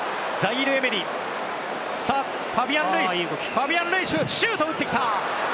ファビアン・ルイスシュートを打ってきた！